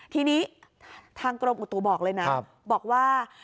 ทีนี้ทางกรมอุตุบอกเลยนะบอกว่า